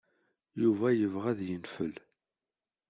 Yuba yebɣa ad yenfel.